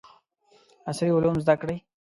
عصري علوم زده کړي.